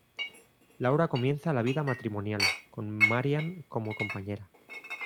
Laura comienza la vida matrimonial, con Marian como compañera.